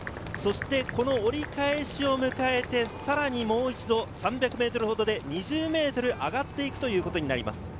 そしてこの折り返しを迎えて、さらにもう一度、３００ｍほどで２０ｍ上がっていくということになります。